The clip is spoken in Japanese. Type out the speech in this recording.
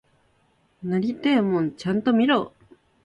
なりてえもんちゃんと見ろ！